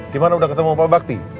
gimana udah ketemu pak bakti